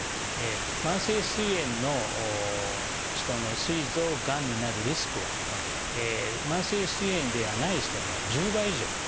慢性すい炎の人のすい臓がんになるリスクは慢性すい炎ではない人の１０倍以上と。